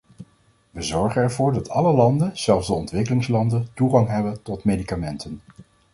We zorgen ervoor dat alle landen, zelfs de ontwikkelingslanden, toegang hebben tot medicamenten.